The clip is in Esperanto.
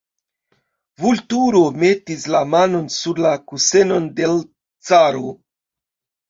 Vulturo metis la manon sur la kusenon de l' caro.